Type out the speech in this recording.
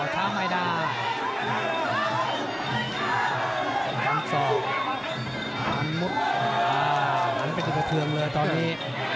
ช้าใหม่ด้าปันสอบมันมุดอ่าวมันเป็นอิติเทือมเลยตอนนี้